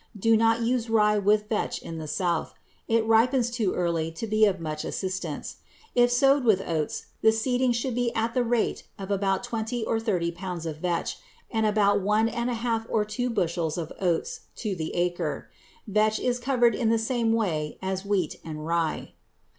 Do not use rye with vetch in the South. It ripens too early to be of much assistance. If sowed with oats the seeding should be at the rate of about twenty or thirty pounds of vetch and about one and a half or two bushels of oats to the acre. Vetch is covered in the same way as wheat and rye.